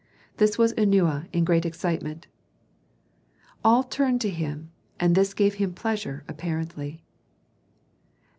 This was Eunana in great excitement. All turned to him, and this gave him pleasure apparently.